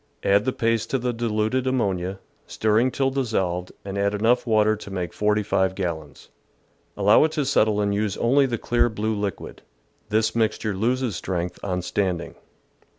Add the paste to the diluted ammonia, stirring till dissolved, and add enough water to make 45 gallons. Allow it to settle and use only the clear blue liquid. This mixture loses strength on standing.